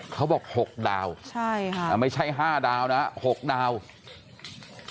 เขาบอกหกดาวน์ใช่ฮะไม่ใช่ห้าดาวน์นะหกดาวน์